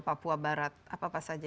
papua barat apa apa saja